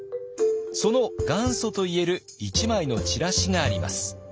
その元祖といえる１枚のチラシがあります。